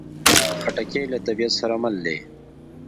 خټکی له طبیعت سره مل دی.